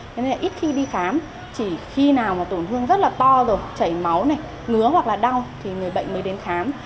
thế nên là ít khi đi khám chỉ khi nào mà tổn thương rất là to rồi chảy máu này ngứa hoặc là đau thì người bệnh mới đến khám